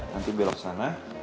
nanti belok sana